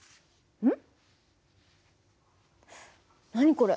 うん？